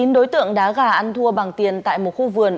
một mươi chín đối tượng đá gà ăn thua bằng tiền tại một khu vườn